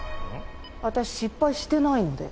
私失敗してないので。